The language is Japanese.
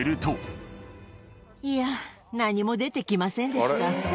いやぁ、何も出てきませんでした。